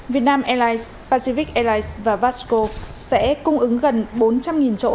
việt nam airlines pacific airlines và vasco sẽ cung ứng gần bốn trăm linh chỗ